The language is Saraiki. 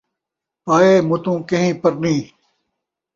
پئے متوں کیہیں پرنیں